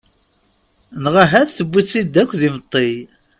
Neɣ ahat tewwi-tt-id akk d imeṭṭi.